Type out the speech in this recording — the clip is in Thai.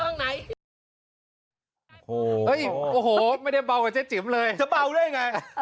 โอ้โหไม่ได้เบากว่าเจ๊จิ๋มเลยจะเบาได้ไง